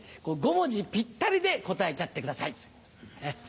５文字ぴったりで答えちゃってください。